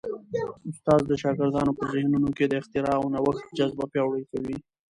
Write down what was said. استاد د شاګردانو په ذهنونو کي د اختراع او نوښت جذبه پیاوړې کوي.